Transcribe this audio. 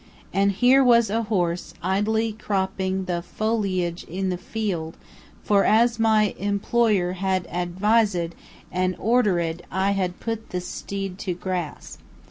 And here was a horse, idly cropping the fol i age in the field, for as my employer had advis ed and order ed I had put the steed to grass.